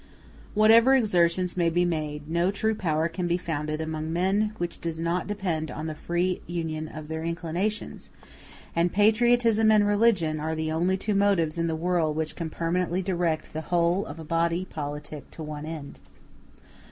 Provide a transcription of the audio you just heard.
Whatever exertions may be made, no true power can be founded among men which does not depend upon the free union of their inclinations; and patriotism and religion are the only two motives in the world which can permanently direct the whole of a body politic to one end.